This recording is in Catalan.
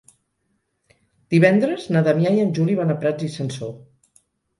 Divendres na Damià i en Juli van a Prats i Sansor.